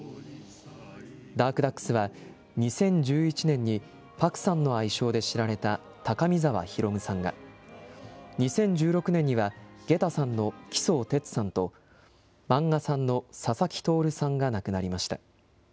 ダークダックスは、２０１１年に、パクさんの愛称で知られた高見澤宏さんが、２０１６年には、ゲタさんの喜早哲さんと、マンガさんの佐々木行さんが亡くなりました。